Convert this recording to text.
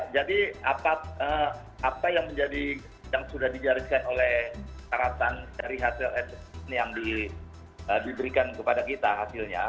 jadi apa yang sudah dijadikan oleh syaratan dari hcls ini yang diberikan kepada kita hasilnya